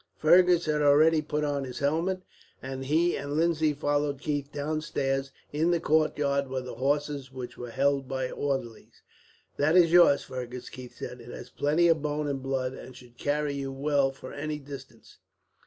Fergus had already put on his helmet, and he and Lindsay followed Keith downstairs. In the courtyard were the horses, which were held by orderlies. "That is yours, Fergus," Keith said. "It has plenty of bone and blood, and should carry you well for any distance."